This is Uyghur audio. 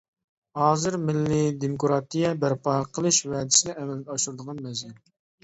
ھازىر مىللىي دېموكراتىيە بەرپا قىلىش ۋەدىسىنى ئەمەلگە ئاشۇرىدىغان مەزگىل.